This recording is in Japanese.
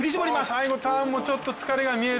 最後ターンもちょっと疲れが見える。